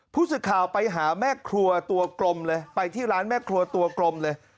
ผู้สื่อข่าวไปหาแม่ครัวตัวกลมเลยไปที่ร้านแม่ครัวตัวกลมเลย